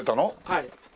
はい。